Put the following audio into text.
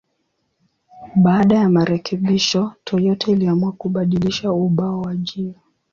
Baada ya marekebisho, Toyota iliamua kubadilisha ubao wa jina.